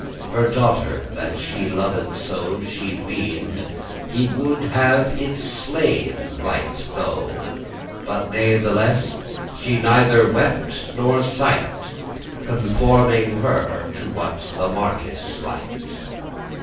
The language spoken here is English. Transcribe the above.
her daughter, that she loved so, She weened* he would have it slain right tho, *thought then But natheless she neither wept nor siked,* *sighed Conforming her to what the marquis liked.